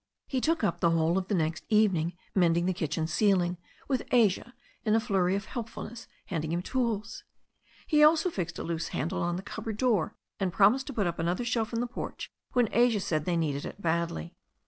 He took up the whole of the next evening mending the kitchen ceiling, with Asia in a flurry of helpfulness handing him tools. He also fixed a loose handle on the cupboard door, and promised to put up another shelf in the porch when Asia said they needed it badly.